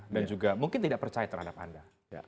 dan juga mungkin tidak percaya terhadap anda